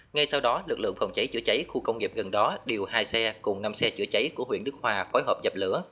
ngay sau đó lực lượng phòng cháy chữa cháy khu công nghiệp gần đó điều hai xe cùng năm xe chữa cháy của huyện đức hòa phối hợp dập lửa